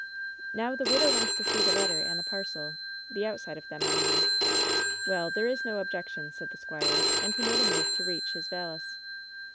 "Now, the widow wants to see the letter and the parcel — the outside of them, I mean." "Well, there is no objection," said the squire. And he made a move to reach his valise.